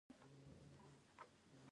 کندهار د افغانستان د ملي هویت نښه ده.